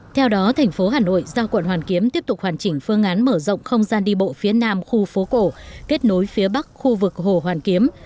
theo đó thành phố hà nội giao quận hoàn kiếm tiếp tục hoàn chỉnh phương án mở rộng không gian đi bộ phía nam khu phố cổ kết nối phía bắc khu vực hồ hoàn kiếm